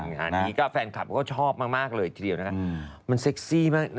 งานนี้ก็แฟนคลับก็ชอบมากเลยทีเดียวนะคะมันเซ็กซี่มากนะ